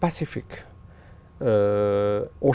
bắc cộng đồng